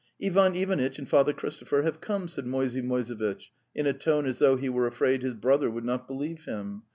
'"Tvan Ivanitch and Father Christopher have come," said Moisey Moisevitch in a tone as though he were afraid his brother would not believe him.